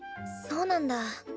そうなんだ。